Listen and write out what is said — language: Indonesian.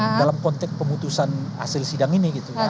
nah saya lihat konteks pemutusan hasil sidang ini gitu ya